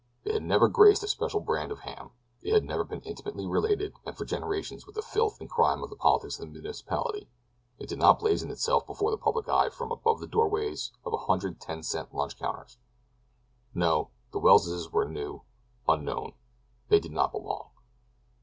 It had never graced a special brand of ham; it had never been intimately related and for generations with the filth and crime of the politics of the municipality; it did not blazon itself before the public eye from above the doorways of a hundred ten cent lunch counters—no, the Welleses were new, unknown; they did not belong.